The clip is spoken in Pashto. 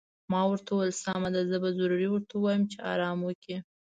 ما ورته وویل: سمه ده، زه به ضرور ورته ووایم چې ارام وکړي.